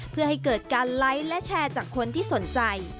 เพื่อให้เกิดการไลค์และแชร์จากคนที่สนใจ